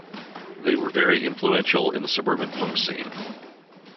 They were very influential in the suburban punk scene.